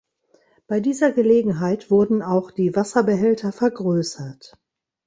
Bei dieser Gelegenheit wurden auch die Wasserbehälter vergrößert.